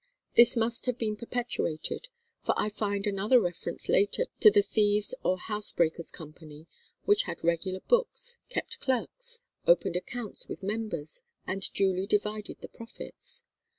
This must have been perpetuated, for I find another reference later to the Thieves or Housebreaker's Company which had regular books, kept clerks, opened accounts with members, and duly divided the profits.